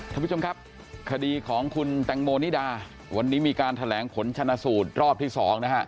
ท่านผู้ชมครับคดีของคุณแตงโมนิดาวันนี้มีการแถลงผลชนะสูตรรอบที่๒นะฮะ